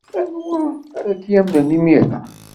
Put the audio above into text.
Anwa ara k-yamnen imir-a?